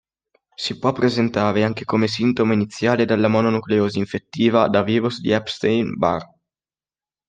Si può presentare anche come sintomo iniziale della mononucleosi infettiva da virus di Epstein-Barr.